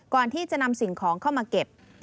ก่อนที่จะนำสิ่งของเข้ามาเก็บ